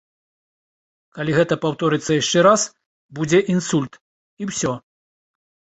Калі гэта паўторыцца яшчэ раз, будзе інсульт, і ўсё.